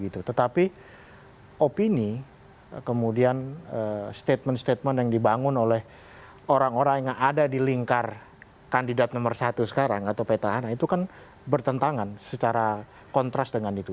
tetapi opini kemudian statement statement yang dibangun oleh orang orang yang ada di lingkar kandidat nomor satu sekarang atau petahana itu kan bertentangan secara kontras dengan itu